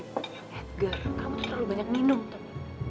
edgar kamu tuh terlalu banyak minum tom